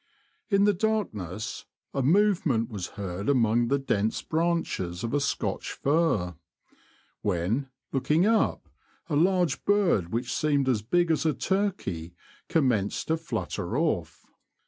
In the darkness a movement was heard among the dense branches of a Scotch fir, when, looking up, a large bird which seemed as big as a turkey commenced to flutter off.